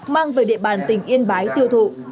mang về địa bàn tỉnh yên bái tiêu thụ